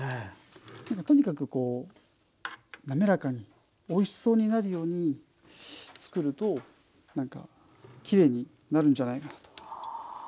とにかくこうなめらかにおいしそうになるように作るときれいになるんじゃないかなと。